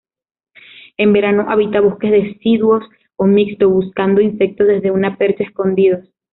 En verano, habita bosques deciduos o mixtos, buscando insectos desde una percha escondidos.